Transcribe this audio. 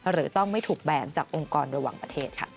หรือต้องไม่ถูกแบ่งจากองค์กรระวังประเทศ